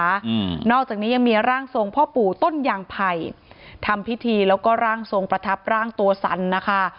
อืมนอกจากนี้ยังมีร่างทรงพ่อปู่ต้นยางไผ่ทำพิธีแล้วก็ร่างทรงประทับร่างตัวสันนะคะ